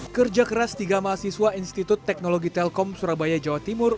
kerja keras tiga mahasiswa institut teknologi telkom surabaya jawa timur